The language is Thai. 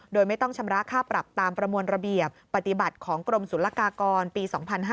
โดยไม่ต้องชำระค่าปรับตามประมวลระเบียบปฏิบัติของกรมศุลกากรปี๒๕๕๙